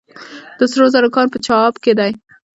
د سرو زرو کان په چاه اب کې دی